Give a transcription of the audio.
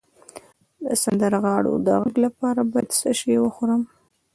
د سندرغاړو د غږ لپاره باید څه شی وخورم؟